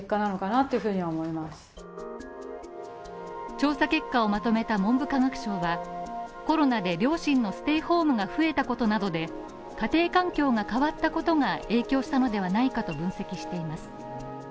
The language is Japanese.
調査結果をまとめた文部科学省は、コロナで両親のステイホームが増えたことなどで、家庭環境が変わったことが影響したのではないかと分析しています。